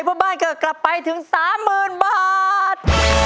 เพราะบ้านเกิดกลับไปถึง๓๐๐๐บาท